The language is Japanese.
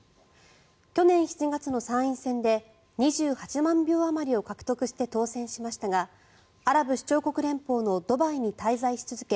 去年７月の参院選で２８万票あまりを獲得して当選しましたがアラブ首長国連邦のドバイに滞在し続け